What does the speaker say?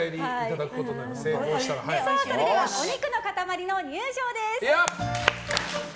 それではお肉の塊の入場です。